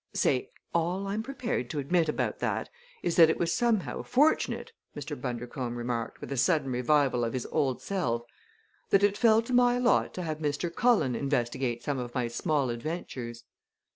"Say, all I'm prepared to admit about that is that it was somehow fortunate," Mr. Bundercombe remarked with a sudden revival of his old self, "that it fell to my lot to have Mr. Cullen investigate some of my small adventures!"